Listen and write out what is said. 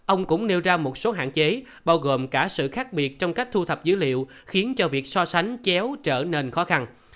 ông cũng nêu ra một số hạn chế bao gồm cả sự khác biệt trong cách thu thập dữ liệu khiến cho việc so sánh chéo trở nên khó khăn